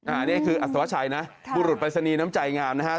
อ่านี่คืออสวชัยนะบุรุษไปสนีย์น้ำใจงามนะฮะ